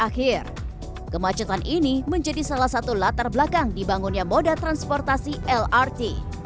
akhir kemacetan ini menjadi salah satu latar belakang dibangunnya moda transportasi lrt